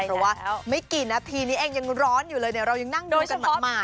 เพราะว่าไม่กี่นาทีนี้เองยังร้อนอยู่เลยเนี่ยเรายังนั่งดูกันหมาด